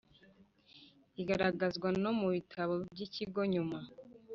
ikagaragazwa no mu bitabo by Ikigo nyuma